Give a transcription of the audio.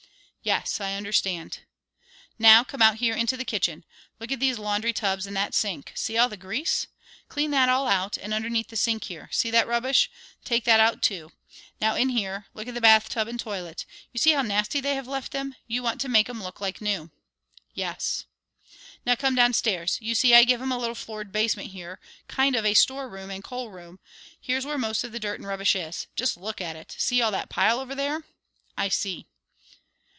"Yes, I understand." "Now come out here into the kitchen. Look at these laundry tubs and that sink. See all that grease! Clean that all out, and underneath the sink here. See that rubbish! Take that out, too. Now in here look at that bathtub and toilet. You see how nasty they have left them. You want to make 'em look like new!" "Yes." "Now come downstairs. You see I give 'em a little floored basement, here; kind of a storeroom and coalroom. Here's where most of the dirt and rubbish is. Just look at it! See all that pile over there?" "I see."